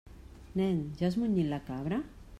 Nen, ja has munyit la cabra?